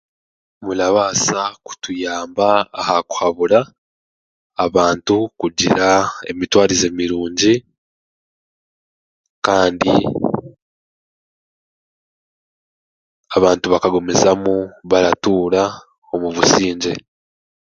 Gurabaasa kutuyamba aha kuhabura abantu kugira emitwarize mirungi kandi abantu bakagumizamu baratuuura omu busingye.